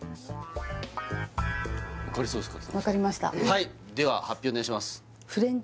はいでは発表お願いします